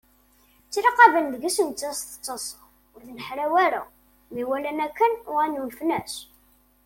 Ttlaqaben deg-s nettat tettaḍsa, ur tenḥerwa ara. Mi walan akken uɣalen unfen-as.